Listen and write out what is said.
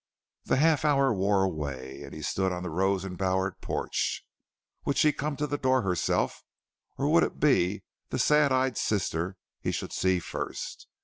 The half hour wore away, and he stood on the rose embowered porch. Would she come to the door herself, or would it be the sad eyed sister he should see first?